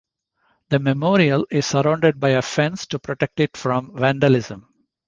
The memorial is surrounded by a fence to protect it from vandalism.